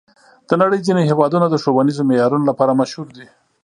د نړۍ ځینې هېوادونه د ښوونیزو معیارونو لپاره مشهور دي.